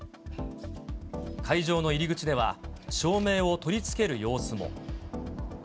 会場の入り口では、照明を取り付ける様子も。